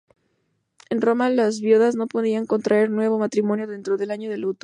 En Roma las viudas no podían contraer nuevo matrimonio dentro del año de luto.